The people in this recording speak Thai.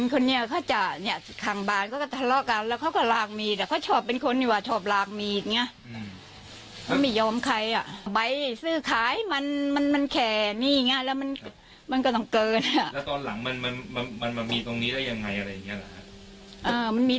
ตอนนี้อย่าหายก็ไปเถอะจะไม่หายลูกก็มีเรื่องกันอย่างนี้